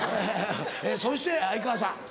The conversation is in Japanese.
そして相川さん。